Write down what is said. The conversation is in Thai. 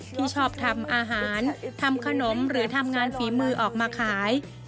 ที่ชอบทำอาหารทำขนมหรือทำงานฝีมือออกมาขาย